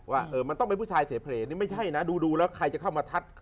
ว่ามันต้องเป็นผู้ชายเสเพลย์นี่ไม่ใช่นะดูแล้วใครจะเข้ามาทัด